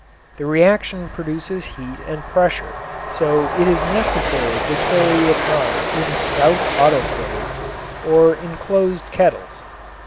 The reaction produces heat and pressure, so it is necessary to carry it on in stout autoclaves or enclosed kettles.